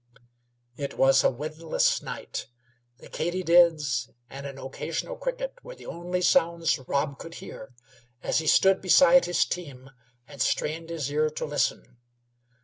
It was a windless night. The katydids and an occasional cricket were the only sounds Rob could hear as he stood beside his team and strained his ear to listen.